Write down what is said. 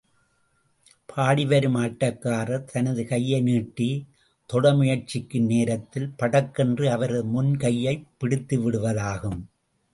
பாடிவரும் ஆட்டக்காரர் தனது கையை நீட்டித் தொட முயற்சிக்கும் நேரத்தில், படக்கென்று அவரது முன் கையைப் பிடித்துவிடுவதாகும்.